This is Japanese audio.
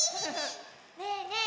ねえねえ